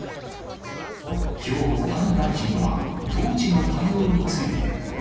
きょう谷大臣は、当時の対応について。